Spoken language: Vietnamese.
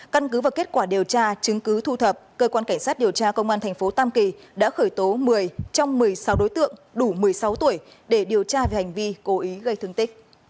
căn cứ và kết quả điều tra chứng cứ thu thập cơ quan cảnh sát điều tra công an tp tam kỳ đã khởi tố một mươi trong một mươi sáu đối tượng đủ một mươi sáu tuổi